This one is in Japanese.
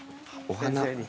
お花。